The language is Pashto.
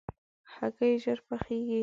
هګۍ ژر پخېږي.